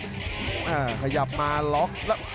รบ๓ยกเรียบร้อยแล้วครับ